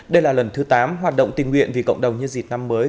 đây là lần thứ tám hoạt động tình nguyện vì cộng đồng nhân dịp năm mới